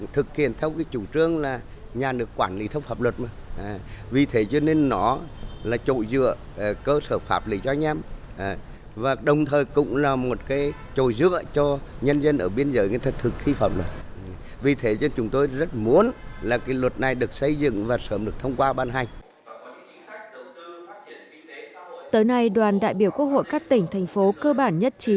tới nay đoàn đại biểu quốc hội các tỉnh thành phố cơ bản nhất trí